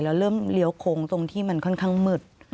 แล้วเริ่มเลี้ยวโค้งตรงที่มันค่อนข้างมืด